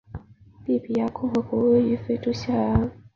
利比里亚共和国位于非洲西海岸。